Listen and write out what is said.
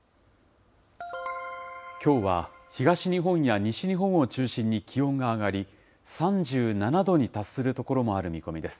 きょうは東日本や西日本を中心に気温が上がり、３７度に達する所もある見込みです。